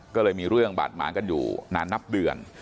ก็เลยมีเรื่องบาดหมางกันอยู่นานนับเดือน